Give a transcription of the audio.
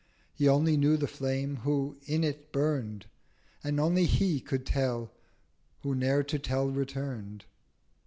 He only knew the Flame who in it burn'd; And only He could tell who ne'er to tell return'd.